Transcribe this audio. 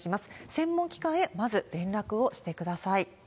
専門機関へまず連絡をしてください。